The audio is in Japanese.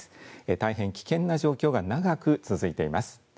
大変、危険な状況が長く続いています。